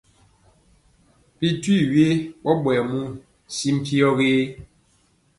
Bi jwi we ɓɔɓɔyɛ muu si mpyɔ gé?